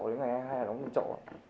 thế này anh em hay là đóng tiền trọ